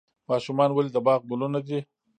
ماشومان ولې د باغ ګلونه دي؟